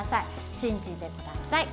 信じてください。